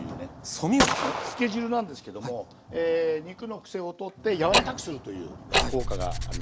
ソミュール⁉つけ汁なんですけども肉のクセを取って柔らかくするという効果がありましてね。